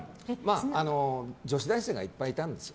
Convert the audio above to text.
女子大生がいっぱいいたんですよ。